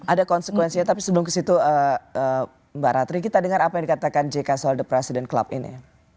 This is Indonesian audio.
ada konsekuensinya tapi sebelum ke situ mbak ratri kita dengar apa yang dikatakan jk soal the president club ini